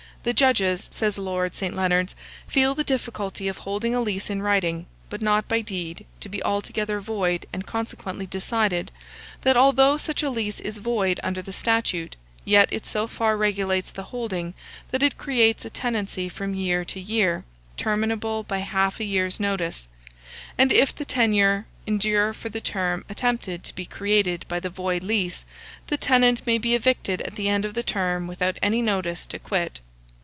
"The judges," says Lord St. Leonards, "feel the difficulty of holding a lease in writing, but not by deed, to be altogether void, and consequently decided, that although such a lease is void under the statute, yet it so far regulates the holding, that it creates a tenancy from year to year, terminable by half a year's notice; and if the tenure endure for the term attempted to be created by the void lease, the tenant may be evicted at the end of the term without any notice to quit."